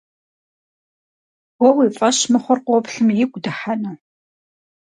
Уэ уи фӀэщ мыхъур къоплъым игу дыхьэну?